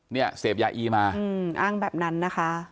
เนี่ยเสพยาอีมาอ้างแบบนั้นนะคะ